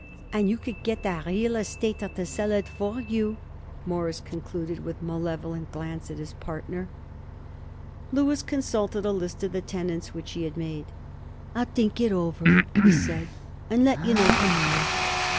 "And you could get a real estater to sell it for you," Morris concluded with malevolent glance at his partner. Louis consulted a list of the tenants which he had made. "I'll think it over," he said, "and let you know to morrow."